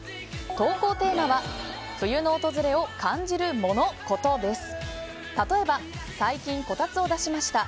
投稿テーマは冬の訪れを感じるモノ・コトです。